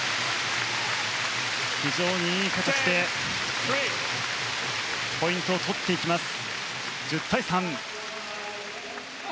非常にいい形でポイントを取っていきます。